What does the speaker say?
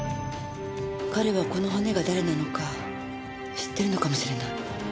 彼はこの骨が誰なのか知ってるのかもしれない。